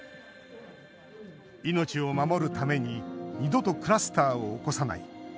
命を守るために二度とクラスターを起こさない。